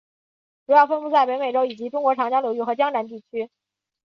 主要分布在北美洲以及中国长江流域和江南地区。